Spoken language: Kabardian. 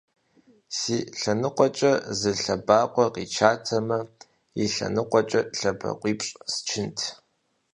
Си лъэныкъуэкӏэ зы лъэбакъуэ къичатэмэ, и лъэныкъуэкӏэ лъэбакъуипщӏ счынт.